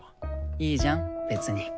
いいじゃん別に。